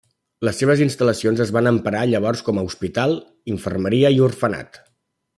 Les seves instal·lacions es van emprar llavors com a hospital, infermeria i orfenat.